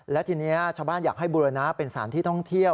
และทีนี้ชาวบ้านอยากให้บูรณะเป็นสถานที่ท่องเที่ยว